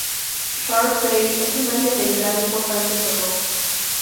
Shark Bay es un área de gran importancia zoológica.